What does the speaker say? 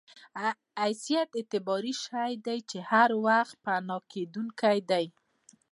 حیثیت اعتباري شی دی چې هر وخت پناه کېدونکی دی.